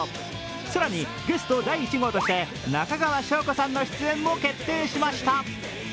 更に、ゲスト第１号として中川翔子さんの出演も決定しました。